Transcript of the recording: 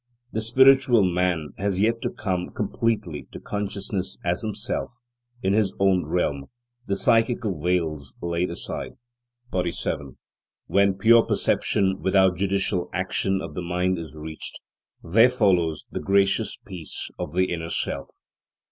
The spiritual man has yet to come completely to consciousness as himself, in his own realm, the psychical veils laid aside. 47. When pure perception without judicial action of the mind is reached, there follows the gracious peace of the inner self.